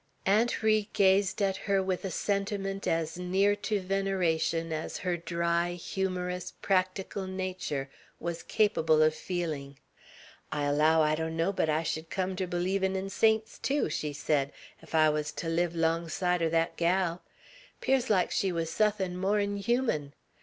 Aunt Ri gazed at her with a sentiment as near to veneration as her dry, humorous, practical nature was capable of feeling. "I allow I donno but I sh'd cum ter believin' in saints tew," she said, "ef I wuz ter live 'long side er thet gal. 'Pears like she wuz suthin' more 'n human.